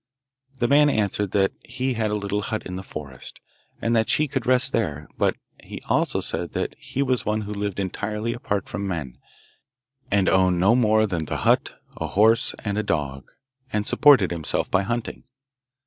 The man answered that he had a little hut in the forest, and that she could rest there; but he also said that he was one who lived entirely apart from men, and owned no more than the hut, a horse, and a dog, and supported himself by hunting.